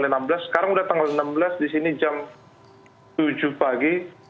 sekarang sudah tanggal enam belas di sini jam tujuh pagi